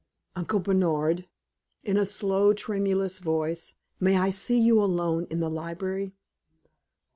"Uncle Bernard," in a low, tremulous voice "may I see you alone in the library?"